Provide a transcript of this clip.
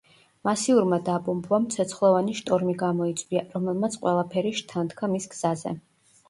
მასიურმა დაბომბვამ ცეცხლოვანი შტორმი გამოიწვია, რომელმაც ყველაფერი შთანთქა მის გზაზე.